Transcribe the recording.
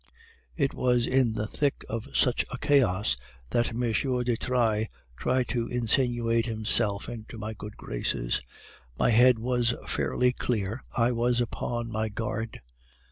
"It was in the thick of such a chaos that M. de Trailles tried to insinuate himself into my good graces. My head was fairly clear, I was upon my guard.